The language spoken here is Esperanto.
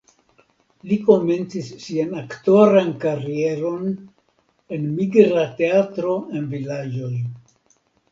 Li komencis sian aktoran karieron en migra teatro en vilaĝoj.